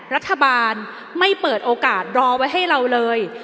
รัฐบาลไม่เปิดโอกาสรอไว้ให้เราเลย